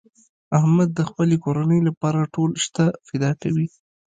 احمد د خپلې کورنۍ لپاره ټول شته فدا کوي.